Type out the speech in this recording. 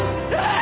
あ！